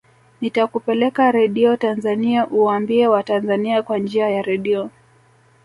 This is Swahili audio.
nitakupeleka radio tanzania uwaambie watanzania kwa njia ya radio